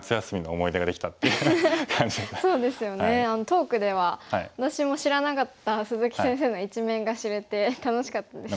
トークでは私も知らなかった鈴木先生の一面が知れて楽しかったです。